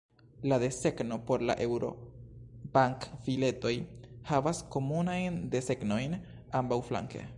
La desegno por la Eŭro-bankbiletoj havas komunajn desegnojn ambaŭflanke.